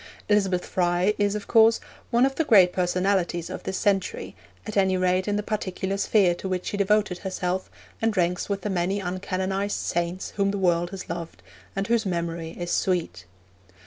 Elizabeth Fry is, of course, one of the great personalities of this century, at any rate in the particular sphere to which she devoted herself, and ranks with the many uncanonised saints whom the world has loved, and whose memory is sweet.